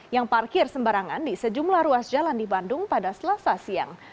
yang parkir sembarangan di sejumlah ruas jalan di bandung pada selasa siang